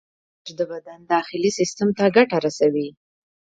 ورزش د بدن داخلي سیستم ته ګټه رسوي.